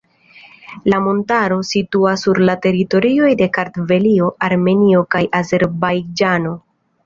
La montaro situas sur la teritorioj de Kartvelio, Armenio kaj Azerbajĝano.